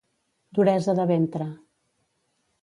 Duresa de ventre.